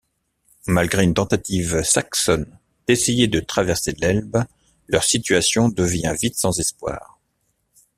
Malgré une tentative saxonne d'essayer de traverser l'Elbe, leur situation devient vite sans espoir.